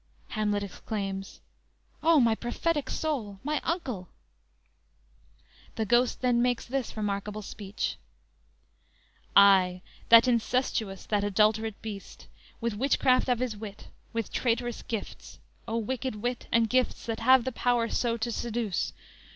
"_ Hamlet exclaims: "O my prophetic soul! My uncle!" The Ghost then makes this remarkable speech: _"Ay, that incestuous, that adulterate beast, With witchcraft of his wit, with traitorous gifts, O wicked wit and gifts, that have the power So to seduce!